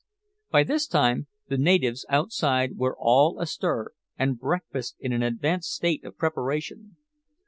By this time the natives outside were all astir, and breakfast in an advanced state of preparation.